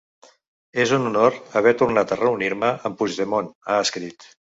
És un honor haver tornat a reunir-me amb Puigdemont, ha escrit.